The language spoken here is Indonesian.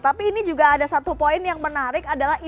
tapi ini juga ada satu poin yang menarik adalah